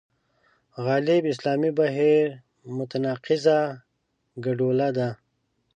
غالب اسلامي بهیر متناقضه ګډوله ده.